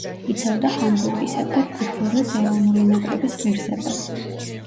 იცავდა „ჰამბურგისა“ და გფრ-ს ეროვნული ნაკრების ღირსებას.